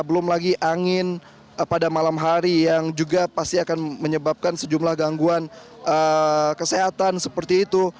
belum lagi angin pada malam hari yang juga pasti akan menyebabkan sejumlah gangguan kesehatan seperti itu